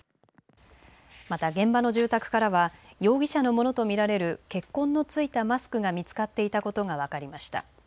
また、現場の住宅からは容疑者のものと見られる血痕の付いたマスクが見つかっていたことが分かりました。